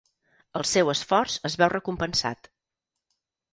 El seu esforç es veu recompensat.